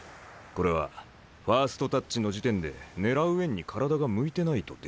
これはファーストタッチの時点で狙う円に体が向いてないとできない。